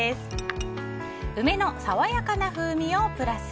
梅のさわやかな風味をプラス！